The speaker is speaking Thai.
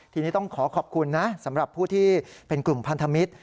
ทีนี้ต้องขอขอบคุณนะสำหรับผู้ที่เป็นกลุ่มพันธมิตร